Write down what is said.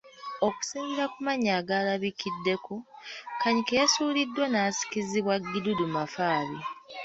Okusinziira ku mannya agalabikiddeko, Kanyike yasuuliddwa n’asikizibwa Gidudu Mafabi.